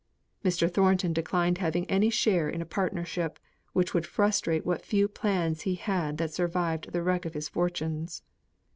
Mr. Thornton declined having any share in a partnership, which would frustrate what few plans he had that survived the wreck of his fortunes.